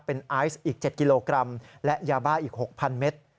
เป็นไอซ์อีก๗กิโลกรัมและยาบ้าอีก๖๐๐เมตร